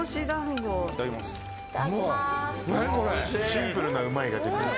・シンプルな「うまい」が出る。